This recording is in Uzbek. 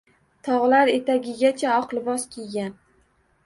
Tog`lar etagigacha oq libos kiygan